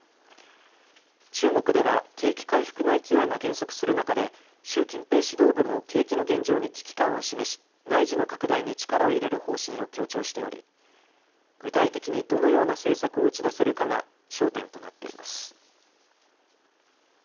中国では景気回復の勢いが減速する中で習近平指導部も景気の現状に危機感を示し内需の拡大に力を入れる方針を強調しており具体的にどのような政策を打ち出せるかが焦点となっています。